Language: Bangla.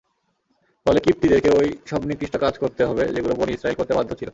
ফলে কিবতীদেরকে ঐ সব নিকৃষ্ট কাজ করতে হবে যেগুলো বনী ইসরাঈল করতে বাধ্য ছিল।